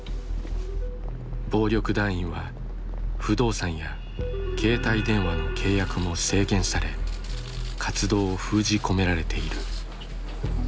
暴力団員は不動産や携帯電話の契約も制限され活動を封じ込められている。